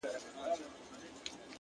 o دا دی د ژوند و آخري نفس ته ودرېدم ـ